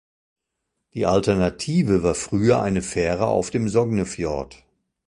Die Alternative war früher eine Fähre auf dem Sognefjord.